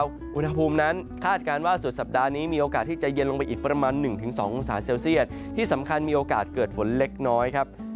อุณหภูมินั้นคาดการณ์ว่าสุดสัปดาห์นี้มีโอกาสที่จะเย็นลงไปอีกประมาณ๑๒องศาเซลเซียตที่สำคัญมีโอกาสเกิดฝนเล็กน้อยครับ